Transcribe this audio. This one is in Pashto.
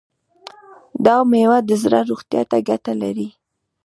دا میوه د زړه روغتیا ته ګټه لري.